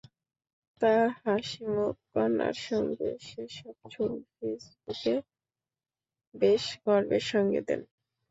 তাঁর হাসিমুখ, কন্যার সঙ্গে সেসব ছবি ফেসবুকে বেশ গর্বের সঙ্গে দেন।